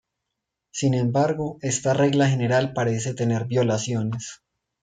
Sin embargo, esta regla general parece tener violaciones.